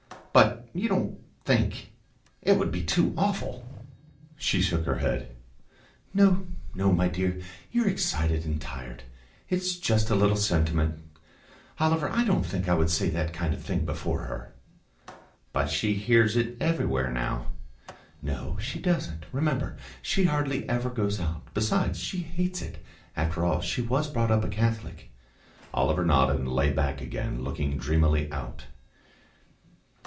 "But you don't think it would be too awful!" She shook her head. "No, no, my dear; you're excited and tired. It's just a little sentiment.... Oliver, I don't think I would say that kind of thing before her." "But she hears it everywhere now." "No, she doesn't. Remember she hardly ever goes out. Besides, she hates it. After all, she was brought up a Catholic." Oliver nodded, and lay back again, looking dreamily out.